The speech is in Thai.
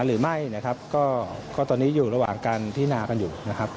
หรือไม่นะครับก็ตอนนี้อยู่ระหว่างการพินากันอยู่นะครับ